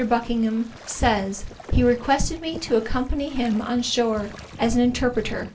Buckingham (says,) He requested me to accompany him on shore as an interpreter.